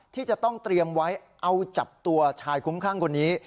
ที่จะต้องเตรียมไว้เอาจับตัวชายคุ้มคลั่งคนนี้